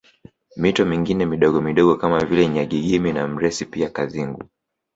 Mito mingine midogomidogo kama vile Nyajijima na Mresi pia Kazingu